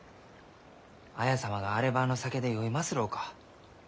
綾様があればあの酒で酔いますろうか。